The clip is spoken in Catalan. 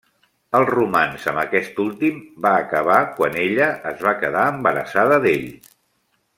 El romanç amb aquest últim va acabar quan ella es va quedar embarassada d'ell.